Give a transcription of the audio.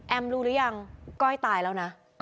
รู้หรือยังก้อยตายแล้วนะ